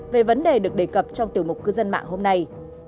về vấn đề được đề cập trong tiểu mục cư dân mạng hôm nay